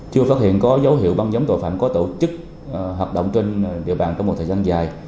chưa phát hiện có dấu hiệu băng nhóm tội phạm có tổ chức hoạt động trên địa bàn trong một thời gian dài